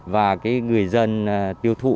và người dân tiêu thụ